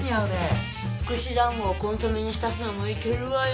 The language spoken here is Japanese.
串団子をコンソメに浸すのもいけるわよ。